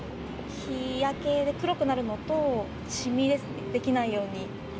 日焼けで黒くなるのと、シミですね、できないように。